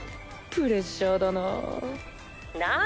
プレッシャーだなぁ。